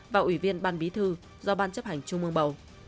và ủy viên ban bí thư do ban chấp hành trung mương bầu